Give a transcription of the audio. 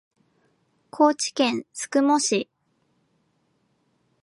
高知県宿毛市